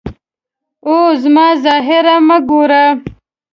او زما ظاهر مه ګوره.